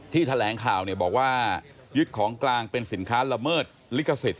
แถลงข่าวเนี่ยบอกว่ายึดของกลางเป็นสินค้าละเมิดลิขสิทธิ